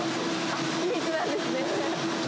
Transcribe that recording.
あっ、秘密なんですね。